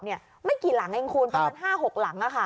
ไม่กี่หลังเองคุณประมาณ๕๖หลัง